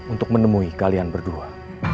untuk menemui kalian berdua